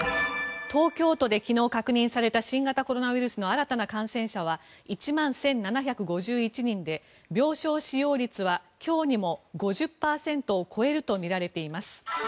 東京都で昨日確認された新型コロナウイルスの新たな感染者は１万１７５１人で病床使用率は今日にも５０％を超えるとみられています。